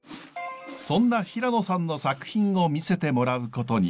そんな平野さんの作品を見せてもらうことに！